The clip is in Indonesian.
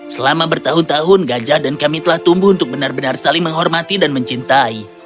selama bertahun tahun gajah dan kami telah tumbuh untuk benar benar saling menghormati dan mencintai